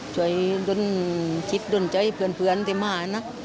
ช่วยด้วยคิดด้วยช่วยเพื่อนที่มานะ